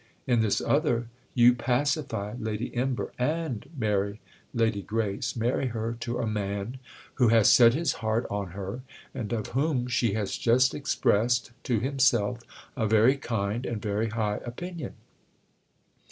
In this other you pacify Lady Imber and marry Lady Grace: marry her to a man who has set his heart on her and of whom she has just expressed—to himself—a very kind and very high opinion."